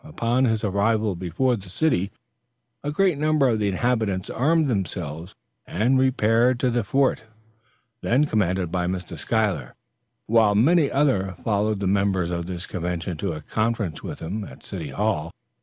Upon his arrival before the city, a great number of the inhabitants armed themselves and repaired to the fort, then commanded by Mr. Schuyler, while many others followed the members of the convention to a conference with him at the city hall.